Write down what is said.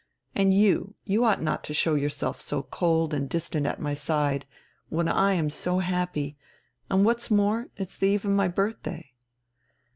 And you, you ought not to show yourself so cold and distant at my side, when I am so happy, and, what's more, it's the eve of my birthday.